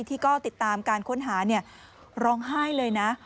ที่ก็ติดตามการค้นหาร้องไห้เลยนะ